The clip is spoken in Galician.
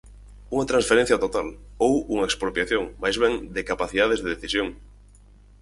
Unha transferencia total, ou unha expropiación, máis ben, de capacidades de decisión.